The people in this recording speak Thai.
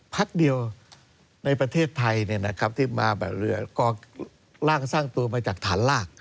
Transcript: พักเดียวในประเทศไทยเนี่ยนะครับที่มาแบบเรือกล้างสร้างตัวมาจากฐานลาก